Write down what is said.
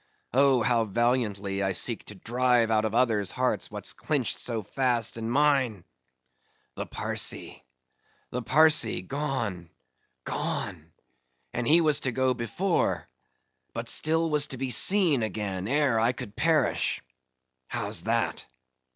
Oh! how valiantly I seek to drive out of others' hearts what's clinched so fast in mine!—The Parsee—the Parsee!—gone, gone? and he was to go before:—but still was to be seen again ere I could perish—How's that?